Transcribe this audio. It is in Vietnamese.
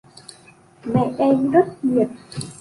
Mẹ em rất hiền